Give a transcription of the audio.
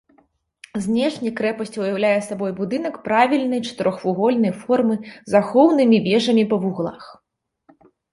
Знешне крэпасць уяўляе сабой будынак правільнай чатырохвугольнай формы з ахоўнымі вежамі па вуглах.